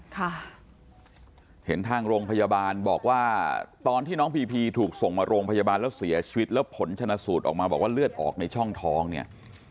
ค่ะเห็นทางโรงพยาบาลบอกว่าตอนที่น้องพีพีถูกส่งมาโรงพยาบาลแล้วเสียชีวิตแล้วผลชนะสูตรออกมาบอกว่าเลือดออกในช่องท้องเนี่ย